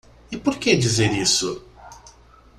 E por que dizer isso?